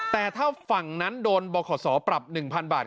แต่ถ้าฝั่งนั้นโดนบขสอปรับ๑๐๐บาท